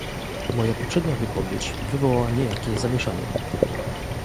Moja poprzednia wypowiedź wywołała niejakie zamieszanie